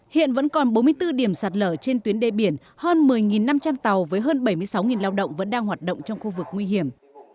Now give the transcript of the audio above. hiện vẫn còn bốn mươi bốn điểm sạt lở trên tuyến đê biển hơn một mươi năm trăm linh tàu với hơn bảy mươi sáu lao động vẫn đang hoạt động trong khu vực nguy hiểm